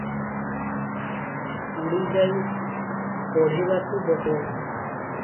ଉଠି ଯାଇ ପଢ଼ିବାକୁ ବସିଗଲା।